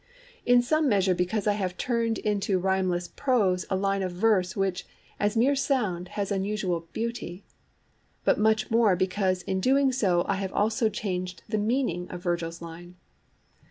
In some measure because I have turned into rhythmless prose a line of verse which, as mere sound, has unusual beauty. But much more because in doing so I have also changed the meaning of Virgil's line.